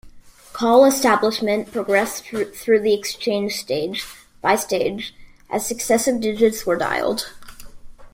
Call establishment progressed through the exchange stage by stage, as successive digits were dialed.